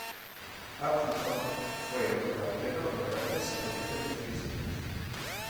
Atkinson fue un delantero de grandes condiciones físicas.